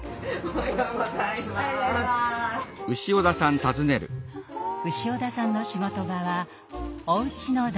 潮田さんの仕事場はおうちの台所。